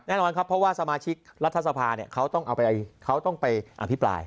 แน่นอนครับเพราะว่าสมาชิกรัฐสภาเขาต้องไปอภิปราย